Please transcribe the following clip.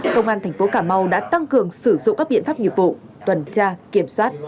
công an tp cà mau đã tăng cường sử dụng các biện pháp nhiệm vụ tuần tra kiểm soát